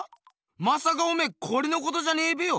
まさかおめえこれのことじゃねえべよ。